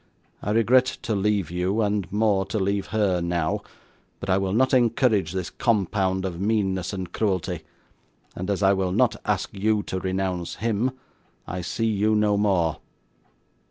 I regret to leave you, and more to leave her, now, but I will not encourage this compound of meanness and cruelty, and, as I will not ask you to renounce him, I see you no more.